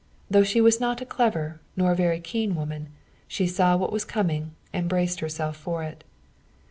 Though she was not a clever nor a very keen woman, she saw what was coming and braced herself for it.